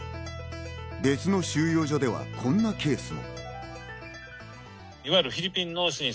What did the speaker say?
別の収容所では、こんなケースも。